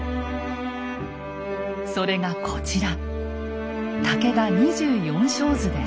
それがこちら。